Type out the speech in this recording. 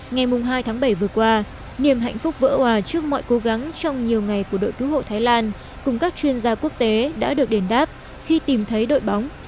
ngày hai tháng bảy vừa qua niềm hạnh phúc vỡ hòa trước mọi cố gắng trong nhiều ngày của đội cứu hộ thái lan cùng các chuyên gia quốc tế đã được đền đáp khi tìm thấy đội bóng